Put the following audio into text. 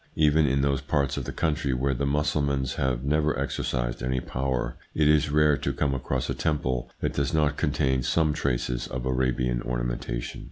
Even in those parts of the country where the Mus sulmans have never exercised any power, it is rare to come across a temple that does not contain some traces of Arabian ornamentation.